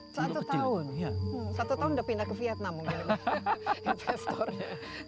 satu tahun satu tahun sudah pindah ke vietnam mungkin investornya